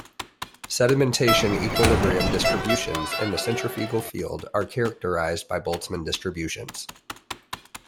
Sedimentation equilibrium distributions in the centrifugal field are characterized by Boltzmann distributions.